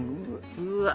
うわっ！